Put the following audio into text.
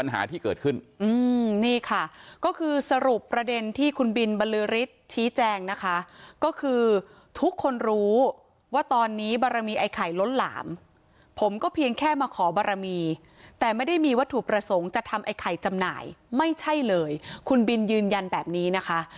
ที่เกิดขึ้นอืมนี่ค่ะก็คือสรุปประเด็นที่คุณบินบรรลือฤทธิ์ชี้แจงนะคะก็คือทุกคนรู้ว่าตอนนี้บารมีไอ้ไข่ล้นหลามผมก็เพียงแค่มาขอบารมีแต่ไม่ได้มีวัตถุประสงค์จะทำไอ้ไข่จำหน่ายไม่ใช่เลยคุณบินยืนยันแบบนี้นะคะ